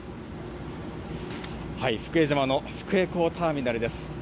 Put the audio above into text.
福江島の福江港ターミナルです。